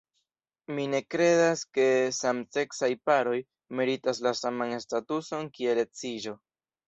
Mi ne kredas ke samseksaj-paroj meritas la saman statuson kiel edziĝo.